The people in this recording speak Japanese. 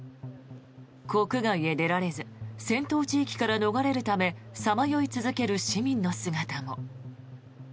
国外へ出られず戦闘地域から逃れるためさまよい続ける市民の姿も。